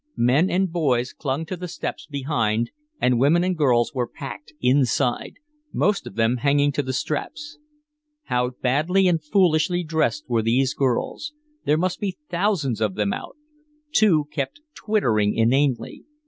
Men and boys clung to the steps behind and women and girls were packed inside, most of them hanging to the straps. How badly and foolishly dressed were these girls. There must be thousands of them out. Two kept tittering inanely.